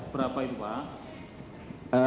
berapa itu pak